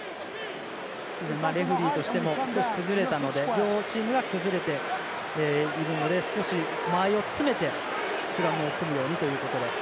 レフリーとしても両チームが崩れているので少し間合いを詰めてスクラムを組むようにということ。